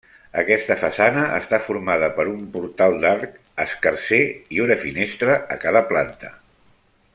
Aquesta façana està formada per un portal d'arc escarser i una finestra a cada planta.